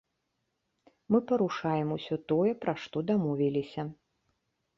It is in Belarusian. Мы парушаем усё тое, пра што дамовіліся.